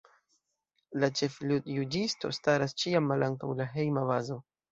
La ĉef-ludjuĝisto staras ĉiam malantaŭ la Hejma Bazo.